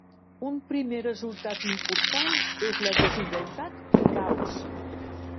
Un primer resultat important és la Desigualtat de Gauss.